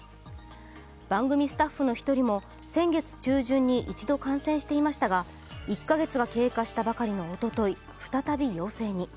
番組スタッフの一人も先月中旬に一度感染していましたが、１か月が経過したばかりのおととい再び陽性に。